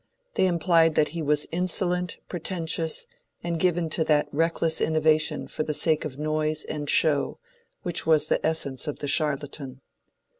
They implied that he was insolent, pretentious, and given to that reckless innovation for the sake of noise and show which was the essence of the charlatan.